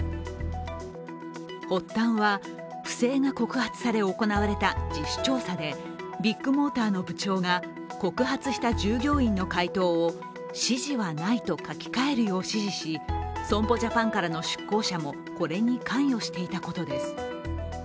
発端は、不正が告発され行われた自主調査でビッグモーターの部長が告発した従業員の回答を指示はないと書き換えるよう指示し損保ジャパンからの出向者もこれに関与していたことです。